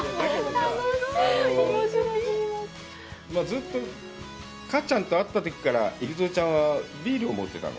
ずっとかっちゃんと会ったときから、幾三ちゃんはビールを持ってたの。